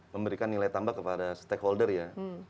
memberikan nilai tambah kepada stakeholder ya